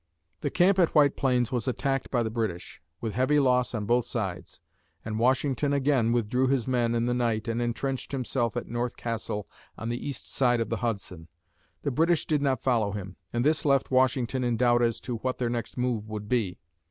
The camp at White Plains was attacked by the British, with heavy loss on both sides, and Washington again withdrew his men in the night and entrenched himself at North Castle on the east side of the Hudson. The British did not follow him, and this left Washington in doubt as to what their next move would be.